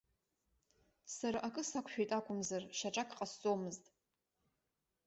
Сара акы сақәшәеит акәымзар, шьаҿак ҟасҵомызт.